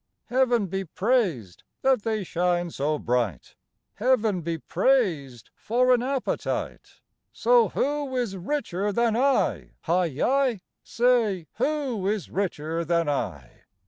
Heaven be praised that they shine so bright, Heaven be praised for an appetite, So who is richer than I? Hi yi! Say, who is richer than I?